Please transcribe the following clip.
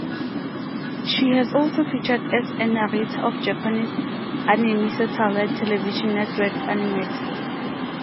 She has also featured as a narrator of Japanese anime satellite television network Animax.